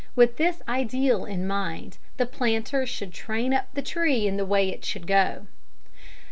With this ideal in his mind, the planter should train up the tree in the way it should go.